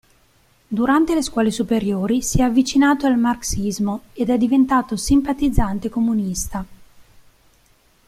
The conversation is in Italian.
Durante le scuole superiori si è avvicinato al marxismo ed è diventato simpatizzante comunista.